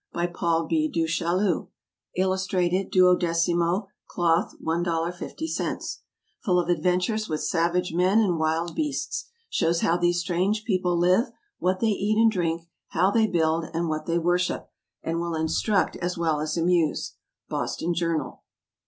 By PAUL B. DU CHAILLU. Illustrated. 12mo, Cloth, $1.50. Full of adventures with savage men and wild beasts; shows how these strange people live, what they eat and drink, how they build, and what they worship; and will instruct as well as amuse. _Boston Journal.